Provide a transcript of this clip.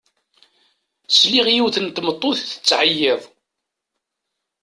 Sliɣ i yiwet n tmeṭṭut tettɛeyyiḍ.